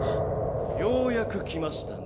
ようやく来ましたね